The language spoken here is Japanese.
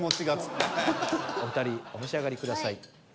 お二人お召し上がりください。